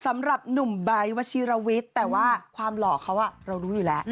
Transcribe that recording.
สำหรับหนุ่มไบท์วชิรวิทย์แต่ว่าความหล่อเขาเรารู้อยู่แล้ว